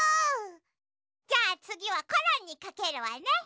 じゃあつぎはコロンにかけるわね。